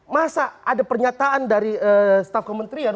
masa ada pernyataan dari staf kementerian